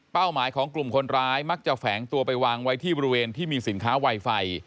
หมายของกลุ่มคนร้ายมักจะแฝงตัวไปวางไว้ที่บริเวณที่มีสินค้าไวไฟ